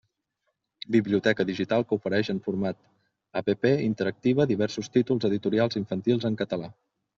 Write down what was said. Biblioteca digital que ofereix en format app interactiva diversos títols editorials infantils en català.